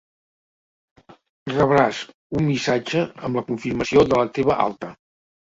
Rebràs un missatge amb la confirmació de la teva alta.